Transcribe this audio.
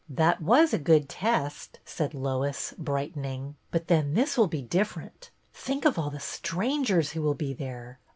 " That was a good test," said Lois, bright ening, " but then this will be different. Think of all the strangers who will be there